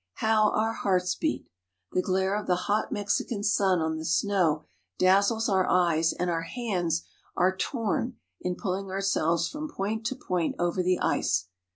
How our hearts beat! The glare of the hot Mexican sun on the snow dazzles our eyes, and our hands are torn in pulling ourselves from point to point over the ice.